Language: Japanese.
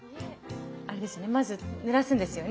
あれですよねまずぬらすんですよね。